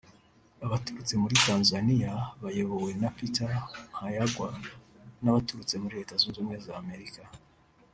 abaturutse muri Tanzania bayobowe na Peter Nkayagwa n’abaturutse muri Leta Zunze Ubumwe za Amerika